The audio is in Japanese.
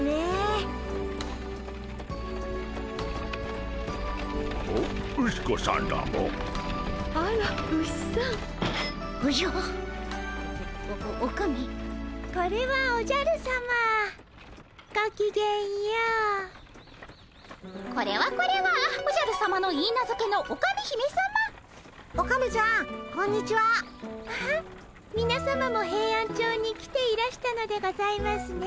あっみなさまもヘイアンチョウに来ていらしたのでございますね。